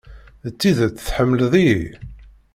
D tidet tḥemmleḍ-iyi?